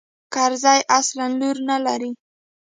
کرزى اصلاً لور نه لري.